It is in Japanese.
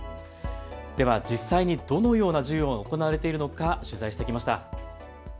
では、実際にどのような授業が行われているのか取材してきました。